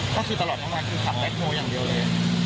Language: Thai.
ก็คือตลอดทั้งวันคือขับแบ็คโฮลอย่างเดียวเลย